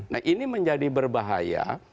nah ini menjadi berat